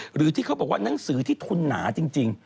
หรือที่เขาบอกว่านังสือที่ทุนหนาจริง